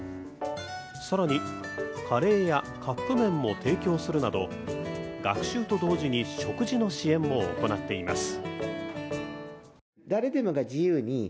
更に、カレーやカップ麺も提供するなど学習と同時に食事の支援も行っています。